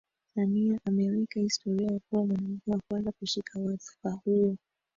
Samia aliweka historia ya kuwa mwanamke wa kwanza kushika wadhifa huo